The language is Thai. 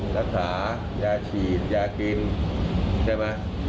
ใช่ไหม